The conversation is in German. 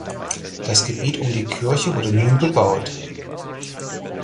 Das Gebiet um die Kirche wurde nun bebaut.